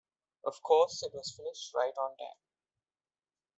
Of course, it was finished right on time.